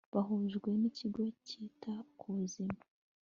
bahujwe nIkigo cyita ku Buzima